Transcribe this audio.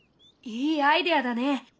いいアイデアだね！